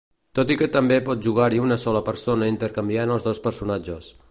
Tot i que també pot jugar-hi una sola persona intercanviant els dos personatges.